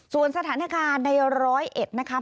ส่วนสถานการณ์ในร้อยเอ็ดนะคะ